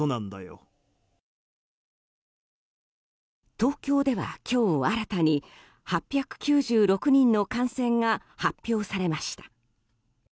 東京では今日新たに８９６人の感染が発表されました。